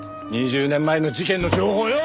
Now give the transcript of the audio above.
２０年前の事件の情報をよ！